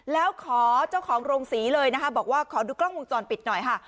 แล้วขอเจ้าของโรงศรีเลยนะคะบอกว่าขอดูกล้องวงจรปิดหน่อยค่ะ